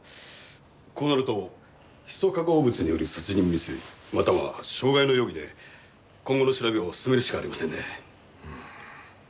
こうなるとヒ素化合物による殺人未遂または傷害の容疑で今後の調べを進めるしかありませんね。